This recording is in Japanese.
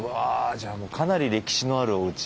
じゃあもうかなり歴史のあるおうち。